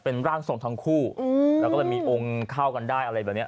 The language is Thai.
เป็นร่างทรงทั้งคู่แล้วก็เลยมีองค์เข้ากันได้อะไรแบบนี้